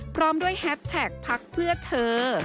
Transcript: พร้อมด้วยแฮสแท็กพักเพื่อเธอ